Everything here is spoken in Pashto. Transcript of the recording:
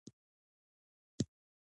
لاره لنډه ده.